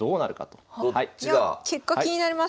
いや結果気になります。